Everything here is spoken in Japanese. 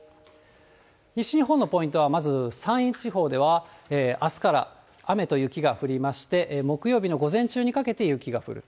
西日本のポイントは、まず山陰地方では、あすから雨と雪が降りまして、木曜日の午前中にかけて、雪が降ると。